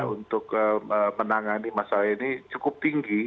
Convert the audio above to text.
untuk menangani masalah ini cukup tinggi